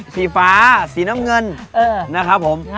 สีฟ้าสีน้ำเงินนะครับผม